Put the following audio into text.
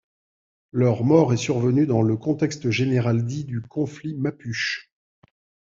Leur mort est survenu dans le contexte général dit du conflit mapuche.